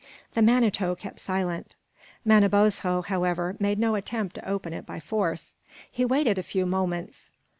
The Manito kept silent. Manabozho, however, made no attempt to open it by force. He waited a few moments.